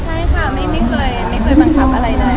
ใช่ค่ะไม่เคยบังคับอะไรเลย